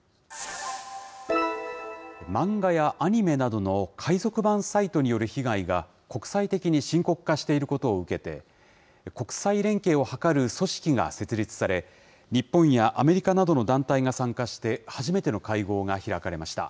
漫画やアニメなどの海賊版サイトによる被害が国際的に深刻化していることを受けて、国際連携を図る組織が設立され、日本やアメリカなどの団体が参加して、初めての会合が開かれました。